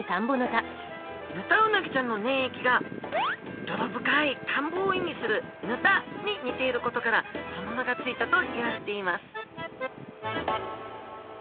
ヌタウナギちゃんの粘液が泥深い田んぼを意味する沼田に似ていることからその名が付いたといわれています